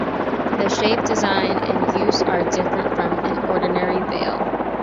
The shape, design and use are different from an ordinary veil.